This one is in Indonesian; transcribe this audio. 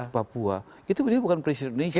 papua itu benar benar bukan presiden indonesia